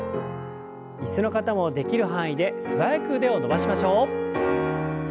椅子の方もできる範囲で素早く腕を伸ばしましょう。